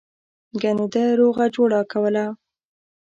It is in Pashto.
گني ده روغه جوړه کوله.